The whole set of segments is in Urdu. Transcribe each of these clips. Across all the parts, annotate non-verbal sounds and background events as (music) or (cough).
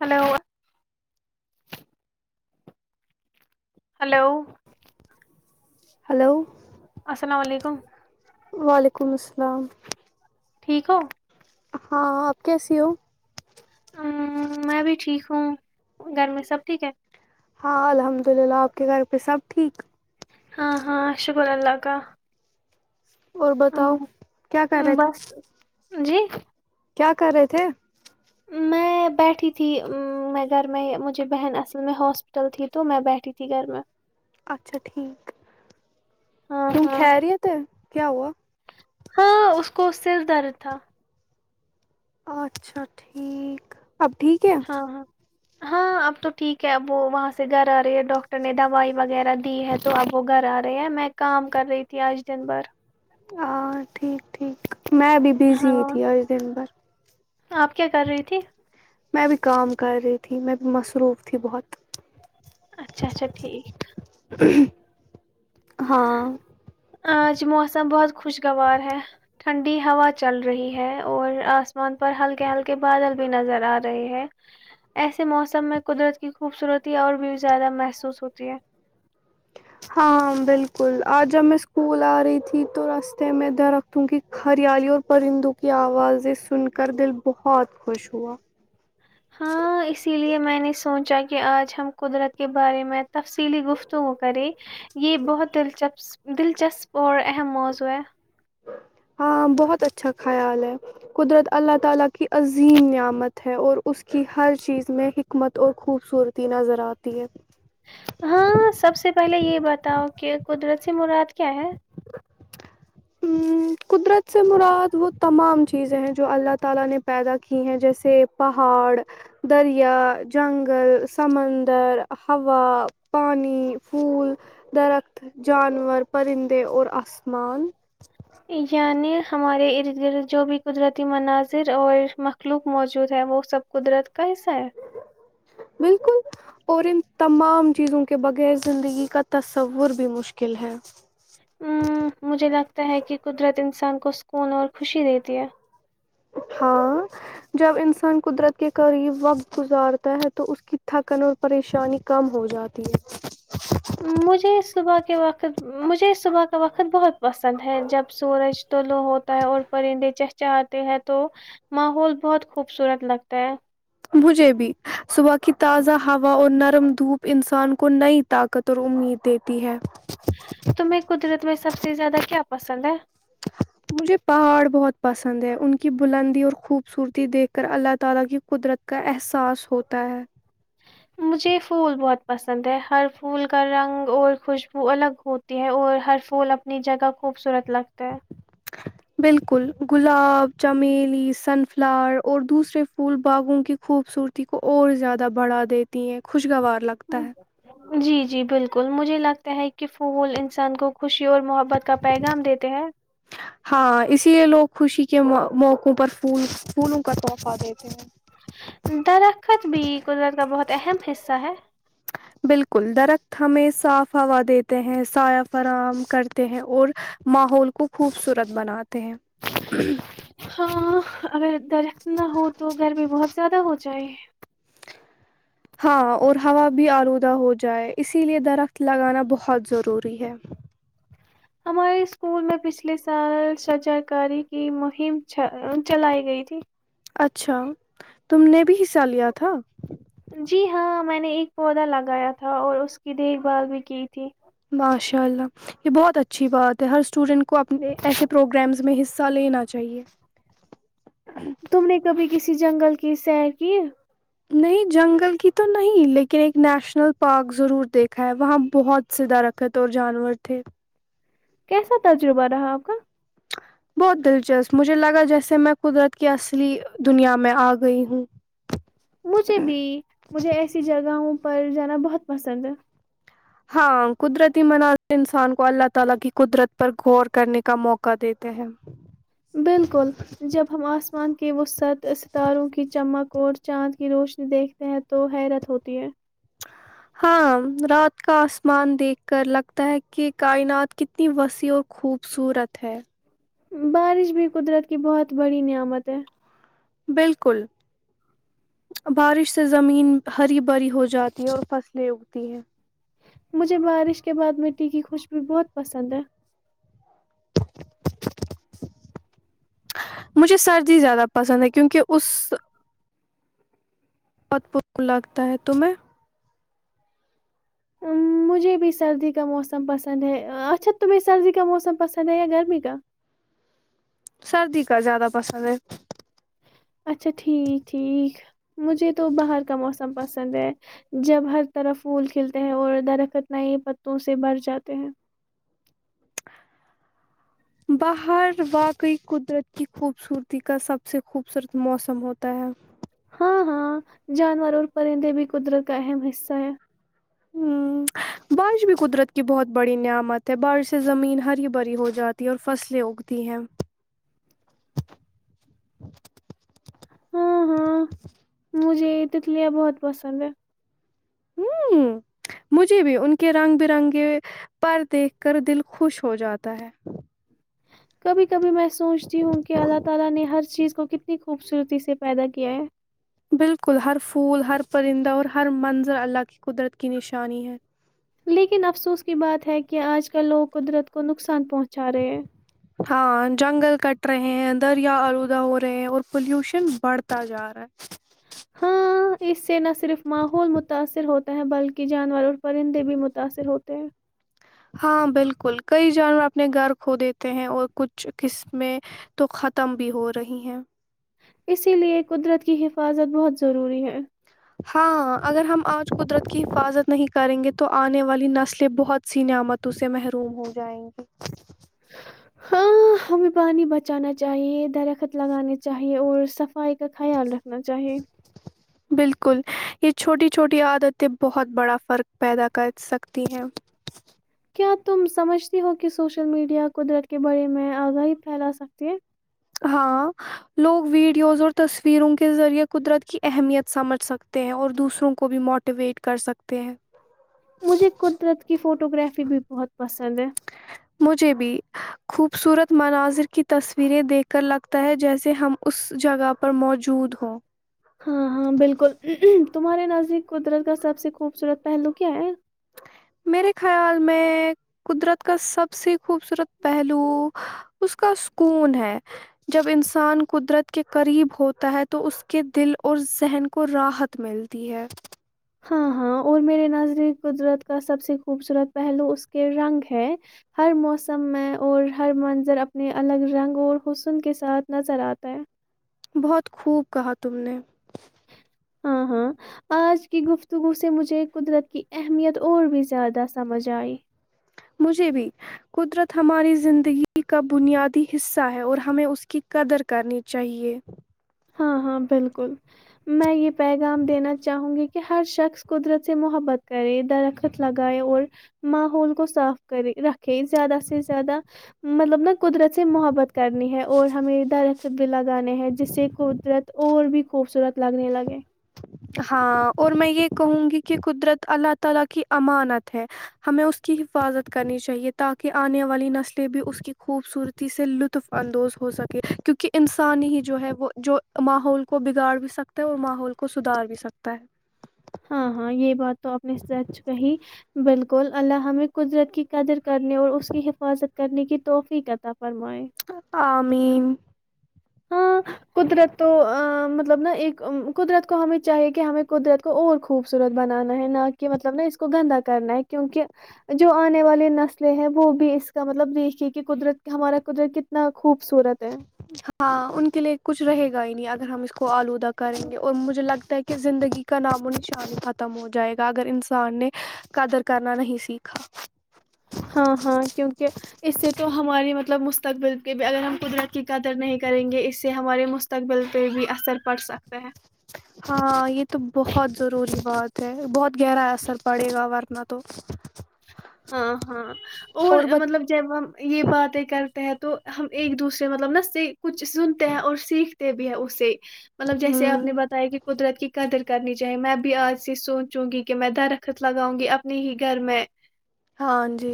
ہلو ہلو ہلو السلام علیکم وعلیکم السلام ٹھیک ہو ہاں آپ کیسی ہو ا میں بھی ٹھیک ہوں گھر میں سب ٹھیک ہے ہاں الحمد للہ آپ کے گھر پہ سب ٹھیک ہاں ہاں شکر اللہ کا اور بتاؤ ام، کیا کر ام، رہے تھے بس جی کیا کر رہے تھے میں بیٹھی تھی میں گھر میں مجھے بہن اصل میں ہاسپٹل تھی تو میں بیٹھی تھی گھر میں اچھا ٹھیک ہاں کیوں ہاں خیریت ہے کیا ہوا ہاں اس کو اس سے درد تھا اچھا ٹھیک اب ٹھیک ہے ہاں ہاں ہاں اب تو ٹھیک ہے اب وہ وہاں سے گھر آ رہی ہے ڈاکٹر نے دوائی وغیرہ دی ہے تو اب وہ گھر آ رہے ہے میں کام کر رہی تھی آج دن بھر اور ٹھیک ٹھیک میں بھی بزی ہاں تھی آج دن ب آپ کیا کر رہی تھی میں بھی کام کر رہی تھی میں بھی مصروف تھی بہت اچھا اچھا ٹھیک (inaudible) ہاں آج موسم بہت خوشگوار ہے ٹھنڈی ہوا چل رہی ہے اور آسمان پر ہلکے ہلکے بادل بھی نظر آ رہے ہے ایسے موسم میں قدرت کی خوبصورتی اور بھی زیادہ محسوس ہوتی ہے ہاں بالکل آج جب میں اسکول آ رہی تھی تو رستے میں درختوں کی ہریالی اور پرندوں کی آوازیں سن کر دل بہت خوش ہوا ہاں اسی لیے میں نے سوچا کہ آج ہم قدرت کے بارے میں تفصیلی گفتگو کرے یہ بہت دلچسپ دلچسپور ا موز ہوئے ہاں بہت اچھا خیال ہے قدرت اللہ تعالی کی عظیم نعمت ہے اور اس کی ہر چیز میں حکمت اور خوبصورتی نظر آتی ہے ہاں سب سے پہلے یہ بتاؤ کہ قدرتی سی مراد کیا ہے قدرت سے مراد وہ تمام چیزیں ہیں جو اللہ تعالی نے پیدا کی ہیں جیسے پہاڑ دریا جنگل سمندر ہوا پانی پھول درخت جانور پرندے اور اسمان نے ہمارے ارد گرد جو بھی قدرتی مناظر اور مخلوق موجود ہے وہ سب قدرت کاس ہے بالکل اور ان تمام چیزوں کے بغیر زندگی کا تصور بھی مشکل ہے ہ مجھے لگتا ہے کہ قدرت انسان کو سکون اور خوشی دیتی ہے ہاں جب انسان قدرت کے قریب وقت گزارتا ہے تو اس کی تھکن اور پریشانی کم ہو جاتی ہے مجھے صبح کے وقت مجھے صبح کا وقت بہت پسند ہے جب چاہتے ہیں تو ماحول بہت خوبصورت لگتا ہے مجھے بھی صبح کی تازہ ہوا اور نرم دھوپ انسان کو نئی طاقت اور امید دیتی ہے تمہیں قدرت میں سب سے زیادہ کیا پسند ہے (unintelligible) مجھے پہاڑ بہت پسند ہے ان کی بلندی اور خوبصورتی دیکھ کر اللہ تعالی کی قدرت کا احساس ہوتا ہے مجھے یہ پھول بہت پسند ہے ہر پھول کا رنگ اور خوشبو الگ ہوتی ہے اور ہر پھول اپنی جگہ خوبصورت لگتا ہے بالکل گلاب چمیلی سن فلاور اور دوسرے پھول باغوں کی خوبصورتی کو اور زیادہ بڑھا دیتی ہیں خوش کچ گوار لگتا ہے جی جی بالکل مجھے لگتا ہے کہ فول انسان کو خوشی اور محبت کا پیغام دیتے ہیں ہاں اسی لیے لوگ خوشی کے موقعوں پر پول پھولوں کا تحفہ دیتے ہیں درخت بھی قدرت کا بہت اہم حصہ ہے بالکل درخت ہمیں صاف ہوا دیتے ہیں سایا فراہم کرتے ہیں اور ماحول کو خوبصورت بناتے ت (inaudible) ا (inaudible) درخت نہ ہو تو گرمی بہت زیادہ ہوتی (inaudible) ہاں اور ہوا بھی آلودہ ہو جائے اسی لیے درخت لگانا بہت ضروری ہے ہمارے اسکول میں پچھلے سال سجا کاری کی مہم چلائی گئی تھی اچھا (unintelligible) تم نے بھی حصہ لیا تھا جی ہاں میں نے ایک پودا لگایا تھا اور اس کی دیکھ بھال بھی کی تھی ماشاء اللہ یہ بہت اچھی بات ہے ہر اسٹوڈینٹ کو اپنے ایسے پروگرامز میں حصہ حصہ لینا چاہیے تم نے کبھی کسی ک جنگل کی سیر کی نہیں جنگل کی تو نہیں لیکن ایک نیشنل پارک ضرور دیکھا ہے وہاں بہت سے درخت اور جانور تھے کیسا تجربہ رہا آپ کا بہت دلچسپ مجھے لگا جیسے میں قدرت کی اصلی دنیا میں آ گئی ہوں مجھے بھی مجھے ایسی جگہوں پر جانا بہت پسند ہے ہاں قدرتی مناتے انسان کو اللہ تعالی کی قدرت پر غور کرنے کا موقع دیتے ہیں ہیلو بالکل جب ہم آسمان کے وسط ستاروں کی چمک اور چاند کی روشنی دیکھتے ہیں تو حیرت ہوتی ہے ہاں رات کا آسمان دیکھ کر لگتا ہے کہ کائنات کتنی وسیع اور خوبصورت ہے بارش بھی قدرت کی بہت بڑی نعمت ہے بالکل بارش سے زمین ہری بھری ہو جاتی ہے اور فصلیں اگتی ہیں مجھے بارش کے بعد مٹی کی خوشبی بہت پسند ہے مجھے سردی زیادہ پسند ہے کیونکہ اس بہت پ لگتا ہے تمہیں مجھے بھی سردی کا موسم پسند ہے اچھا تمہیں سردی کا موسم پسند ہے یا گرمی کا سردی کا زیادہ پسند ہے اچھا ٹھیک ٹھیک مجھے تو باہر کا موسم پسند ہے جب ہر طرح پھول کھلتے ہیں اور درخت ن پتوں سے بھر جاتے ہیں باہر واقعی قدرت کی خوبصورتی کا سب سے خوبصورت موسم ہوتا ہے ہاں ہاں جانور اور پرندے بھی قدرت کا اہم حصہ ہے ہ بارش بھی قدرت کی بہت بڑی نعمت ہے بارش سے زمین ہری بھری ہو جاتی ہے اور فصلیں اگتی ہیں ہاں ہاں م جی تتلیا بہت پسند ہے ہ مجھے بھی ان کے رنگ برنگے پر دیکھ کر دل خوش ہو جاتا ہے کبھی کبھی میں سوچتی ہوں کہ اللہ تعالی نے ہر چیز کو کتنی خوبصورتی سے پیدا کیا ہے بالکل ہر پھول ہر پرندہ اور ہر منظر اللہ کی قدرت کی نشانی ہے لیکن افسوس کی بات ہے کہ آج کل لوگ قدرت کو نقصان پہنچا رہے ہاں جنگل کٹ رہے ہیں دریا آلودہ ہو رہے ہیں اور پولوشن بڑھتا جا رہا ہے ہاں اس سے نہ صرف ماحول متاثر ہوتا ہے بلکہ جانور اور پرندے بھی متاثر ہوتے ہیں ہاں بالکل کئی جانور اپنے گھر کھو دیتے ہیں اور کچھ قسمیں تو ختم بھی ہو رہی ہیں اسی لیے قدرت کی حفاظت بہت ضروری ہے ہاں اگر ہم آج قدرت کی حفاظت نہیں کریں گے تو آنے والی نسلیں بہت سی نعمتوں سے محروم ہو جائیں گی ہاں ہمیں پانی بچانا چاہیے درخت لگانے چاہیے اور صفائی کا خیال رکھ نا چاہیے بالکل یہ چھوٹی چھوٹی عادتیں بہت بڑا فرق پیدا کر سکتی ہیں کیا تم سمجھتی ہو کہ سوشل میڈیا قدرت کے بارے میں آگاہی پھیلا سکتی ہے ہاں لوگ ویڈیوز اور تصویروں کے ذریعے قدرت کی اہمیت سمجھ سکتے ہیں اور دوسروں کو بھی موٹیویٹ کر سکتے ہیں مجھے قدرت کی فوٹو گرافی بھی بہت پسند ہے مجھے بھی خوبصورت مناظر کی تصویریں دیکھ کر لگتا ہے جیسے ہم اس جگہ پر موجود ہوں ہاں ہاں بالکل تمہارے نظ قدرت کا سب سے خوبصورت پہلو کیا ہے میرے خیال میں قدرت کا سب سے خوبصورت پہلو اس کا سکون ہے جب انسان قدرت کے قریب ہوتا ہے تو اس کے دل اور ذہن کو راحت ملتی ہے ہاں ہاں اور میرے نظری قدرت کا سب سے خوبصورت پہلو اس کے رنگ ہے ہر موسم میں اور ہر منظر اپنے الگ رنگ اور حسن کے ساتھ نظر آتا ہے بہت خوب کہا تم نے ہاں ہاں آج کی گفتگو سے مجھے قدرت کی اہمیت اور بھی زیادہ سمجھ آئی مجھے بھی قدرت ہماری زندگی کا بنیادی حصہ ہے اور ہمیں اس کی قدر کرنی چاہیے ہاں ہاں بالکل میں یہ پیغام دینا چاہوں گی کہ ہر شخص قدرت سے محبت کرے درخت لگائے اور ماحول کو صاف کرے رکھے زیادہ سے زیادہ مطلب نا قدرت سے محبت کرنی ہے اور ہمیں درخت بھی لگانے ہیں جس سے قدرت اور بھی خوبصورت لگنے لگے ہاں اور میں یہ کہوں گی کہ قدرت اللہ تعالی کی امانت ہے ہمیں اس کی حفاظت کرنی چاہیے تاکہ انے والی نسلیں بھی اس کی خوبصورتی سے لطف اندوز ہو سکے کیونکہ انسانی ہی جو ہے وہ جو سدار بھی سکتا ہے ہاں ہاں یہ بات تو اپپنے سچ کہی بالکل اللہ ہم نے قدرت کی قدر کرنے اور اس کی حفاظت کرنے کی توفی کتا فرما آ م ہاں قدرت تو مطلب نا ایک قدرت کو ہمیں چاہیے کہ ہمیں قدرت کو اور خوبصورت بنانا ہے نہ کہ مطلب نا اس کو گندا کرنا ہے کیونکہ جو آنے والی نسلیں ہیں وہ بھی اس کا مطلب دیکھیے کہ قدرت ہمارا قدرت کتنا خوبصورت تو (unintelligible) ہاں ان کے لیے کچھ رہے گا ہی نہیں اگر ہم اس کو آلودہ کریں گے اور مجھے لگتا ہے کہ کہ زندگی کا نام و نشانی ختم ہو جائے گا اگر انسان نے قدر کرنا نہیں سیکھا ہاں ہاں کیونکہ اس سے تو ہماری مطلب مستقبل کے بھی اگر ہم قدرت کی قدر نہیں کریں گے اس سے ہمارے مستقبل پہ بھی اثر پڑ سکتا ہے ہاں یہ تو بہت ضروری بات ہے بہت گہرا اثر پڑے گا ورنہ تو ہاں ہاں اور مطلب جب ہم یہ باتیں کرتے ہیں تو تو ہم ایک دوسرے مطلب نا کچھ سنتے ہیں اور سیکھتے بھی ہیں اسے مطلب جیسے آپ نے ہوں بتایا کہ قدرت کی قدر کرنی چاہیے میں بھی آج سے سوچوں گی کہ میں درخت لگاؤں گی اپنے ہی گھر میں ہاں جی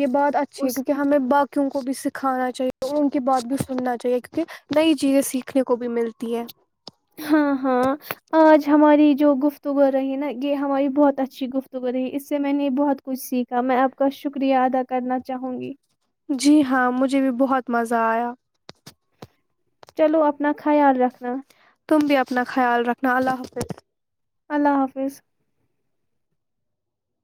یہ بہت اچھی ہے اس کیونکہ ہمیں بایوں کو بھی س کھانا چاہیے اور ان کی بات بھی سننا چاہیے کیونکہ نئی چیزیں سیکھنے کو بھی ملتی ہے ہاں ہاں آج ہماری جو گفتگو رہی نا یہ ہماری بہت اچھی گفتگو رہی اس سے میں نے بہت کچھ سیکھا میں آپ کا شکریہ ادا کرنا چاہوں گی جی ہاں مجھے بھی بہت مزہ آیا چلو اپنا خیال رکھنا تم بھی اپنا خیال رکھنا اللہ حافظ اللہ حافظ